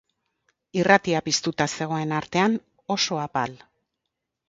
Irratia piztuta zegoen artean, oso apal.